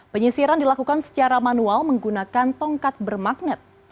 penyisiran dilakukan secara manual menggunakan tongkat bermagnet